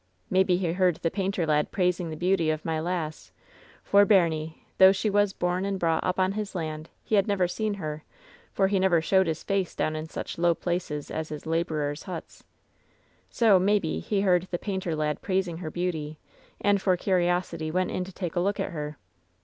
Maybe he heard the painter lad praising the beauty of my lass, for, baimie, though she was bom and brought up on his land, he had never seen her, for he never showed his face down in such low places as his laborers' huts. So, maybe, he heard the painter lad praising her beauty, and for curiosity went in to take a look at her.